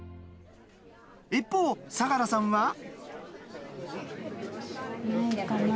一方相楽さんは。